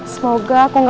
semoga aku gak ganggu